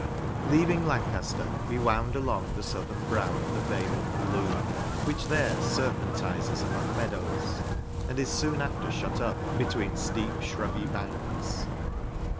LEAVING Lancafter, we wound along the fouthern brow of the vale of the Lune, which there ferpentlzes among meadows, and is foon after fhut up between fteep fhrubby banks.